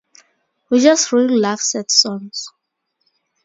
We just really love sad songs.